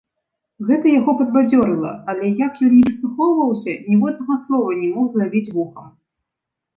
Гэта яго падбадзёрыла, але як ён ні прыслухоўваўся, ніводнага слова не мог злавіць вухам.